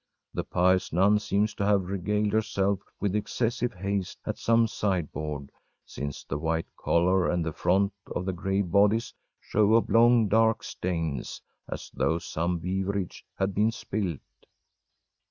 The pious nun seems to have regaled herself with excessive haste at some sideboard, since the white collar and the front of the gray bodice show oblong dark stains, as though some beverage had been spilt.